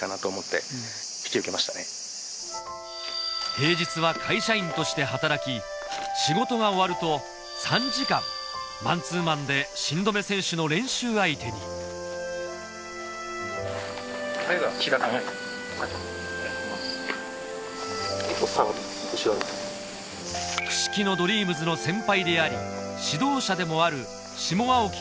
平日は会社員として働き仕事が終わると３時間マンツーマンで新留選手の練習相手に串木野ドリームズの先輩であり指導者でもある下青木